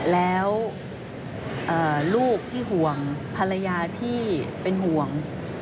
แล้วลูกที่ห่วงภรรยาที่เป็นห่วง